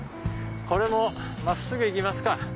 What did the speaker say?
これも真っすぐ行きますか。